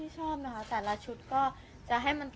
ขอบคุณครับ